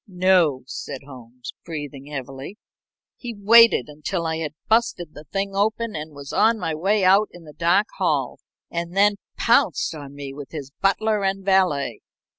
"No," said Holmes, breathing heavily. "He waited until I had busted the thing open and was on my way out in the dark hall, and then pounced on me with his butler and valet.